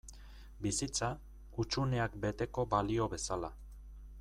Bizitza, hutsuneak beteko balio bezala.